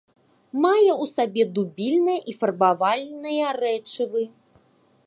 Мае ў сабе дубільныя і фарбавальныя рэчывы.